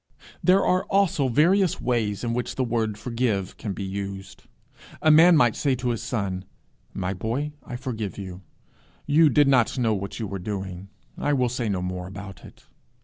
There are also various ways in which the word forgive can be used. A man might say to his son 'My boy, I forgive you. You did not know what you were doing. I will say no more about it.'